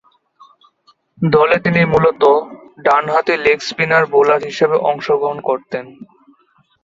দলে তিনি মূলতঃ ডানহাতি লেগ স্পিন বোলার হিসেবে অংশগ্রহণ করতেন।